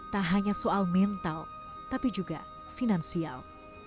tak hanya soal mental tapi juga finansial